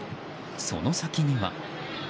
その先には。